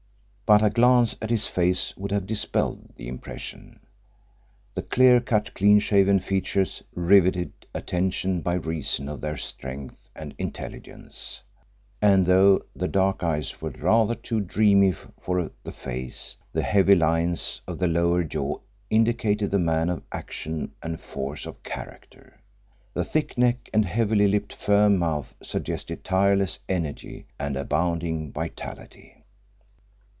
But a glance at his face would have dispelled the impression. The clear cut, clean shaven features riveted attention by reason of their strength and intelligence, and though the dark eyes were rather too dreamy for the face, the heavy lines of the lower jaw indicated the man of action and force of character. The thick neck and heavily lipped firm mouth suggested tireless energy and abounding vitality.